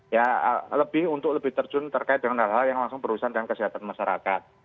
ya lebih untuk lebih terjun terkait dengan hal hal yang langsung berurusan dengan kesehatan masyarakat